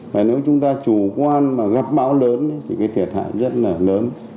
và nếu chúng ta chủ quan mà gặp bão lớn thì cái thiệt hại rất là lớn